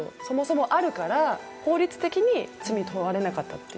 そもそもあるから法律的に罪に問われなかった。